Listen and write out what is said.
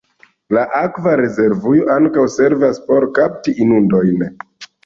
La akva rezervujo ankaŭ servas por kapti inundojn.